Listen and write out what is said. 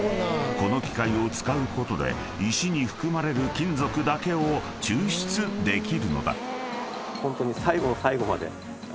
［この機械を使うことで石に含まれる金属だけを抽出できるのだ］